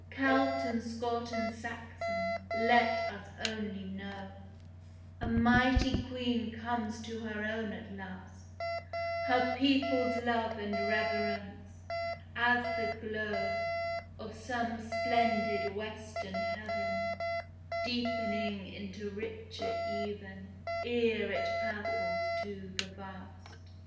Celt and Scot and Saxon, let us only know, A mighty Queen comes to her own at last, Her people's love and reverence as the glow Of some splendid western heaven, Deepening into richer even, Ere it purples to the vast.